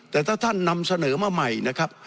แต่ถ้าท่านนำเสนอมาใหม่นะครับ